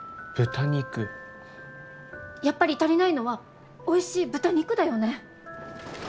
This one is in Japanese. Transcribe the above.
やっぱり足りないのはおいしい豚肉だよね。